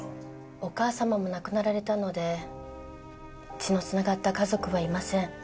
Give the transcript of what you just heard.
お母様も亡くなられたので血の繋がった家族はいません。